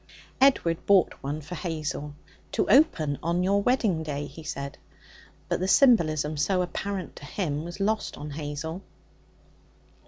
Edward bought one for Hazel. 'To open on your wedding day,' he said. But the symbolism, so apparent to him, was lost on Hazel.